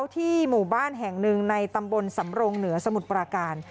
ที่หมู่บ้านแห่งหนึ่งในตำบลสำรงเหนือสมุทรปราการ